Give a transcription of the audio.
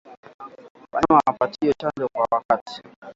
Wanyama wapatiwe chanjo kwa wakati